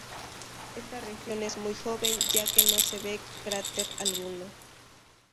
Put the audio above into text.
Esta región es muy joven, ya que no se ve cráter alguno.